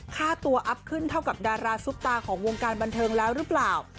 ค่าตัวอัพขึ้นเท่ากับดาราซุปตาของวงการบันเทิงแล้วหรือเปล่า